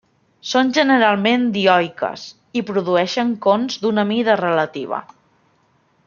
Són generalment dioiques i produeixen cons d'una mida relativa.